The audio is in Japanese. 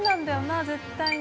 あ絶対に。